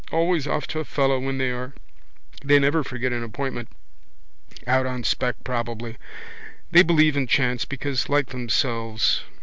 Always off to a fellow when they are. They never forget an appointment. Out on spec probably. They believe in chance because like themselves.